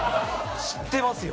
知ってますよ。